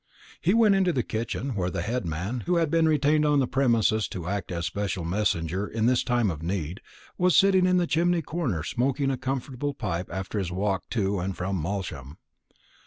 He went into the kitchen, where the head man, who had been retained on the premises to act as special messenger in this time of need, was sitting in the chimney corner smoking a comfortable pipe after his walk to and from Malsham.